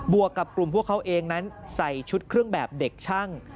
วกกับกลุ่มพวกเขาเองนั้นใส่ชุดเครื่องแบบเด็กช่าง